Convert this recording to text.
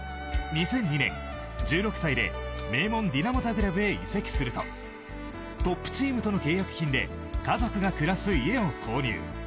２００２年、１６歳で名門ディナモ・ザグレブへと移籍するとトップチームとの契約金で家族が暮らす家を購入。